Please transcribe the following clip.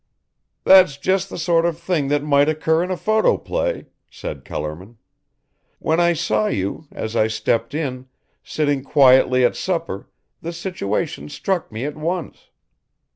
"That's just the sort of thing that might occur in a photo play," said Kellerman. "When I saw you, as I stepped in, sitting quietly at supper the situation struck me at once."